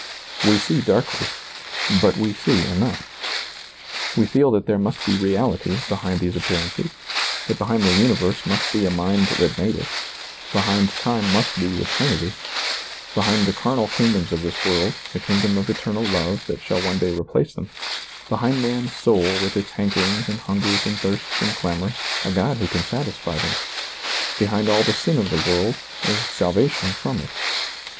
We see darkly but we see enough. We feel that there must be reality behind these appearances, that behind the universe must be a Mind that made it; behind time must be eternity ; behind the carnal kingdoms ^oiizccbv Google SEEING DARKLY 23 of this world, the kingdom of eternal Love that shall one day replace them; behind man's soul with its hankerings and hungers and thirsts and clamors, a God who can satisfy them ; behind all the sin of the world, a salvation from it.